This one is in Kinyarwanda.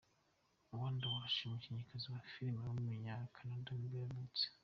Amanda Walsh, umukinnyikazi wa film w’umunyakanada nibwo yavutse.